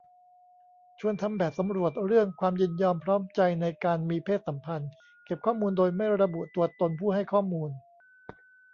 ชวนทำแบบสำรวจเรื่องความยินยอมพร้อมใจในการมีเพศสัมพันธ์ เก็บข้อมูลโดยไม่ระบุตัวตนผู้ให้ข้อมูล